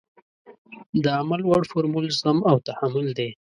د عمل وړ فورمول زغم او تحمل دی.